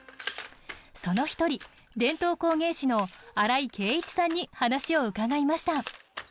その一人伝統工芸士の新井啓一さんに話を伺いました。